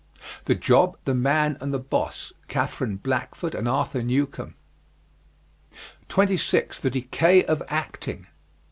"The Job, the Man, and the Boss," Katherine Blackford and Arthur Newcomb. 26. THE DECAY OF ACTING.